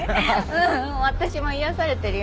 ううん私も癒やされてるよ。